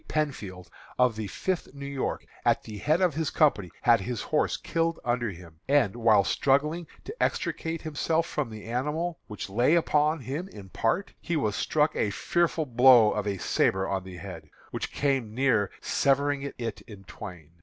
Penfield, of the Fifth New York, at the head of his company, had his horse killed under him, and, while struggling to extricate himself from the animal, which lay upon him in part, he was struck a fearful blow of a sabre on the head, which came near severing it in twain.